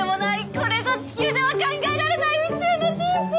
これぞ地球では考えられない宇宙の神秘！